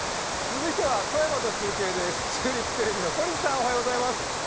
続いては富山と中継です。